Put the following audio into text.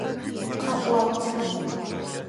Къэӏуат!